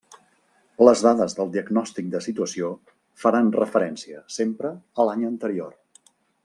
Les dades del diagnòstic de situació faran referència sempre a l'any anterior.